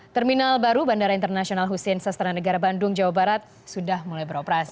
terminal baru bandara internasional hussein sastra negara bandung jawa barat sudah mulai beroperasi